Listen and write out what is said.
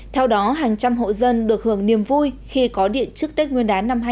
theo đó hàng trăm hộ dân được hưởng niềm vui khi có điện trước tết nguyên đán năm hai nghìn hai mươi